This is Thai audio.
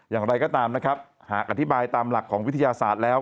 อย่างไรก็ตามนะครับหากอธิบายตามหลักของวิทยาศาสตร์แล้ว